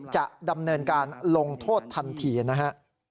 จะดำเนินการลงโทษทันทีนะฮะ